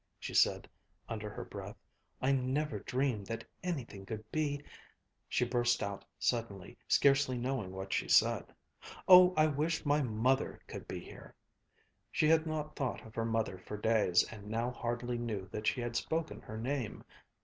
she said under her breath. "I never dreamed that anything could be " She burst out suddenly, scarcely knowing what she said, "Oh, I wish my mother could be here!" She had not thought of her mother for days, and now hardly knew that she had spoken her name.